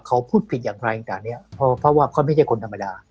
เขาพูดผิดอย่างไรต่างเนี่ยเพราะว่าเขาไม่ใช่คนธรรมดา